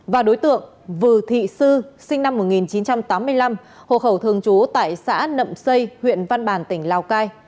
và đối tượng vừa thị sư sinh năm một nghìn chín trăm tám mươi năm hộ khẩu thường chú tại xã nậm xây huyện văn bản tỉnh lào cai